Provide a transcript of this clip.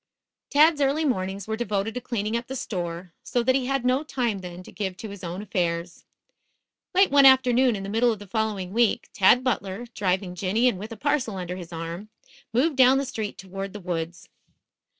Tad's early mornings were devoted to cleaning up the store, so that he had no time then to give to his own affairs. Late one afternoon in the middle of the following week, Tad Butler, driving Jinny and with a parcel under his arm, moved down the street toward the woods.